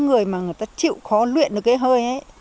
người mà người ta chịu khó luyện được cái hơi ấy